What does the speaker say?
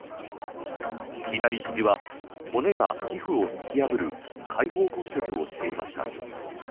左ひじは骨が皮膚を突き破る開放骨折をしていました。